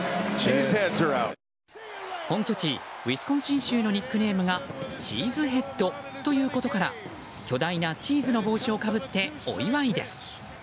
本拠地ウィスコンシン州のニックネームがチーズヘッドということから巨大なチーズの帽子をかぶってお祝いです。